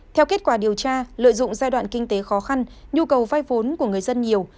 theo kết quả điều tra lợi dụng giai đoạn kinh tế khó khăn nhu cầu vay vốn của người dân nhiều